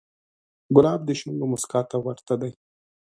ګلاب د شونډو موسکا ته ورته دی.